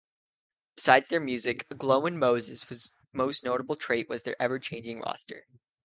Besides their music, Glowin' Moses most notable trait was their ever-changing roster.